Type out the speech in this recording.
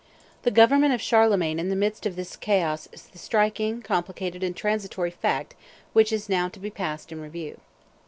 The government of Charlemagne in the midst of this chaos is the striking, complicated, and transitory fact which is now to be passed in review.